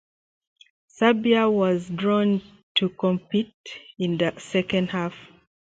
Serbia was drawn to compete in the second half.